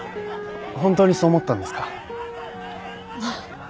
本当にそう思ったんですか？